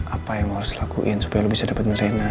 apa yang harus dilakuin supaya lu bisa dapet rena